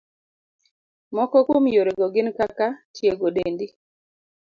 Moko kuom yorego gin kaka, tiego dendi.